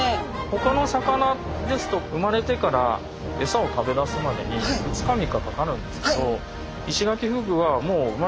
ほかの魚ですと生まれてからえさを食べだすまでに２日３日かかるんですけどイシガキフグはもう生まれて次の日ですね。